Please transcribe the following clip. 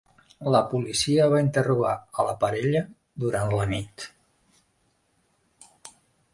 La policia va interrogar a la parella durant la nit